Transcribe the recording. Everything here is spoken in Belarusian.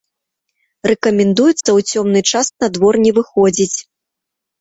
Рэкамендуецца ў цёмны час на двор не выходзіць.